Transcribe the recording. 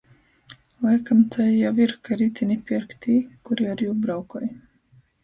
Laikam tai jau ir, ka ritini pierk tī, kuri ar jū braukoj.